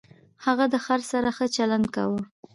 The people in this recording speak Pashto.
هغه د خر سره ښه چلند کاوه.